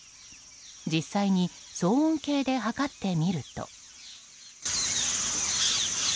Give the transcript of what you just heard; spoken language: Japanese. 実際に騒音計で測ってみると。